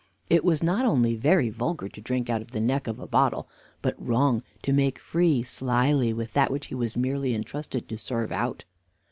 It was not only very vulgar to drink out of the neck of a bottle, but wrong to make free slily with that which he was merely entrusted to serve out.